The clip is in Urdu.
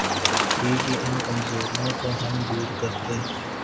تھی کہ ان کمزوریوں کو ہم دور کرتے۔